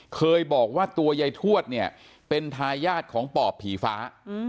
เคยบอกว่าตัวยายทวดเนี่ยเป็นทายาทของปอบผีฟ้า